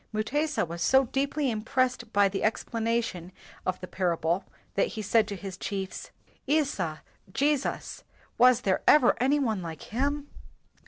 Mutesa was so deeply im pressed by the explanation of the parable that he said to his chiefs, "Isa [Jesus], was there ever any one like him?"